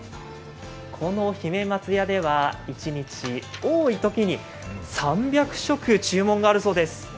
姫松屋では一日多いときに３００食注文があるそうです。